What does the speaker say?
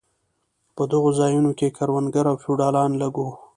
په دغو ځایو کې کروندګر او فیوډالان لږ وو.